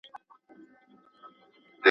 “ما چي د زاهد کیسه کول تاسي به نه منل.